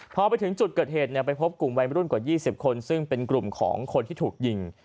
พอไปถึงจุดเกิดเหตุไปพบกลุ่มวัยมรุ่นกว่า๒๐คนซึ่งเป็นกลุ่มของคนที่ถูกยิง